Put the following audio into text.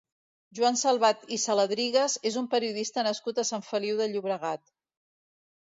Joan Salvat i Saladrigas és un periodista nascut a Sant Feliu de Llobregat.